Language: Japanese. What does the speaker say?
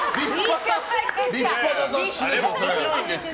立派な雑誌でしょ。